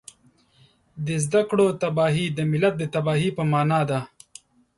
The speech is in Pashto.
د زده کړو تباهي د ملت د تباهۍ په مانا ده